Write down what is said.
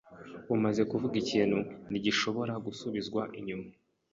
Umaze kuvuga ikintu, ntigishobora gusubizwa inyuma.